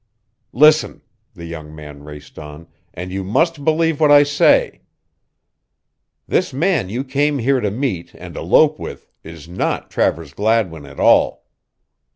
"Listen," the young man raced on, "and you must believe what I say this man you came here to meet and elope with is not Travers Gladwin at all."